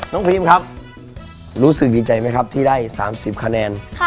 ที่ได้สามสิบคะแนนค่ะดีมาก